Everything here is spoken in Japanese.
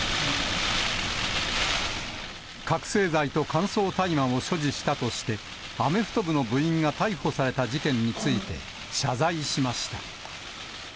覚醒剤と乾燥大麻を所持したとして、アメフト部の部員が逮捕された事件について、謝罪しました。